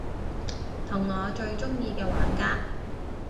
同我最鍾意嘅玩家